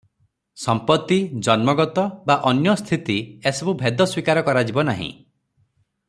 ସମ୍ପତ୍ତି, ଜନ୍ମଗତ ବା ଅନ୍ୟ ସ୍ଥିତି ଏସବୁ ଭେଦ ସ୍ୱୀକାର କରାଯିବ ନାହିଁ ।